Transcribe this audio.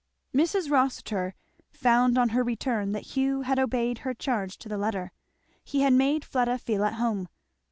Mrs. Rossitur found on her return that Hugh had obeyed her charge to the letter. He had made Fleda feel at home.